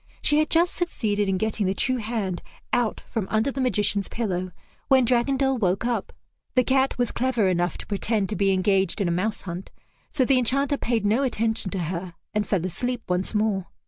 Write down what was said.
She had just succeeded in getting the true hand out from under the magician's pillow when Dragondel woke up. The cat was clever enough to pretend to be engaged in a mouse hunt, so the Enchanter paid no attention to her and fell asleep once more.